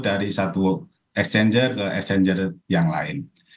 dari satu exchanger ke exchanger yang lain